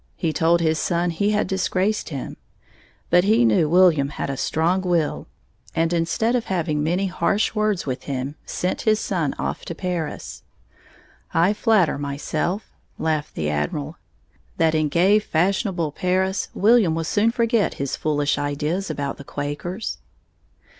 He told his son he had disgraced him. But he knew William had a strong will, and instead of having many harsh words with him, sent his son off to Paris. "I flatter myself," laughed the Admiral, "that in gay, fashionable Paris, William will soon forget his foolish ideas about the Quakers."